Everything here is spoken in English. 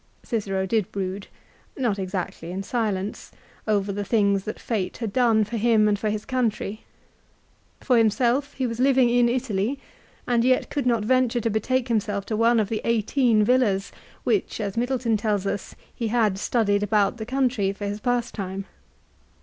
Cicero did brood, not exactly in silence, over the things that fate had done for him and for his country. For himself, he was living in Italy, and yet could not venture to betake himself to one of the eighteen villas which, as Middleton tells us, he had studded about the country for his pastime.